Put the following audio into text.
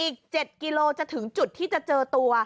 อีก๗กิโลจะถึงจุดที่จะเจอตัว